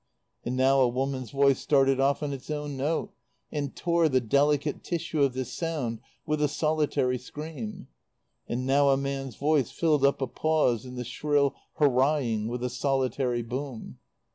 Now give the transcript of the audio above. And now a woman's voice started off on its own note and tore the delicate tissue of this sound with a solitary scream; and now a man's voice filled up a pause in the shrill hurrahing with a solitary boom.